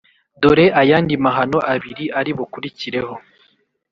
dore ayandi mahano abiri ari bukurikireho.